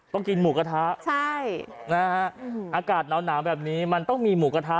กินหมูกระทะใช่นะฮะอากาศหนาวแบบนี้มันต้องมีหมูกระทะ